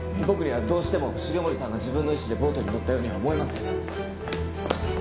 僕にはどうしても重森さんが自分の意思でボートに乗ったようには思えません。